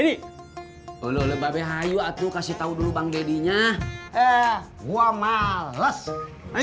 dulu lebar hayu aku kasih tahu dulu bang dedinya eh gua males ini